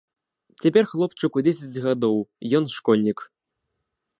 Цяпер хлопчыку дзесяць гадоў, ён школьнік.